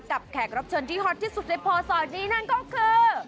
แขกรับเชิญที่ฮอตที่สุดในโพสอร์ทนี้นั่นก็คือ